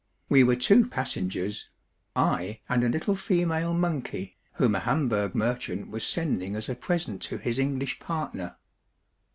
We were two passengers ; I and a little female monkey, whom a Hamburg merchant was sending as a present to his English partner.